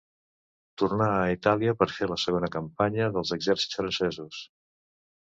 Tornà a Itàlia per fer la segona campanya dels exèrcits francesos.